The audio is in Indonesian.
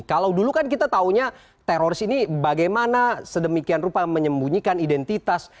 kalau dulu kan kita tahunya teroris ini bagaimana sedemikian rupa menyembunyikan identitas